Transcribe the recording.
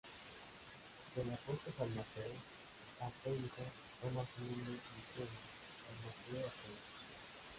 Del apóstol San Mateo, Atenco toma su nombre cristiano: San Mateo Atenco.